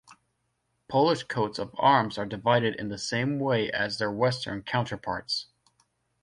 Polish coats of arms are divided in the same way as their western counterparts.